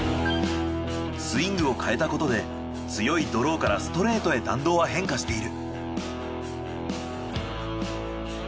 スイングを変えたことで強いドローからストレートへ弾道は変化している。